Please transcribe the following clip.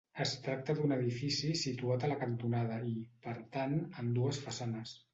Es tracta d'un edifici situat a la cantonada i, per tant, amb dues façanes.